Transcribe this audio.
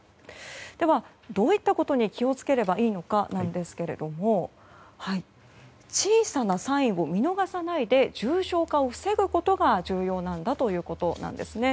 では、どういったことに気を付ければいいのかですが小さなサインを見逃さないで重症化を防ぐことが重要なんだということです。